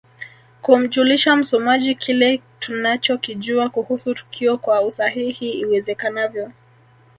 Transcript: Kumjulisha msomaji kile tunachokijua kuhusu tukio kwa usahihi iwezekanavyo